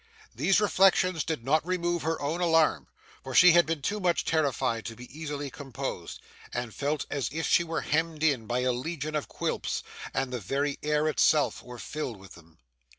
These reflections did not remove her own alarm, for she had been too much terrified to be easily composed, and felt as if she were hemmed in by a legion of Quilps, and the very air itself were filled with them.